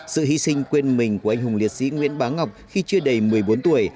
sự hy sinh quên mình của anh hùng liệt sĩ nguyễn bá ngọc khi chưa đầy một mươi bốn tuổi